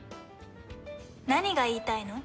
何が言いたいの？